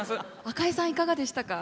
赤江さんいかがでしたか？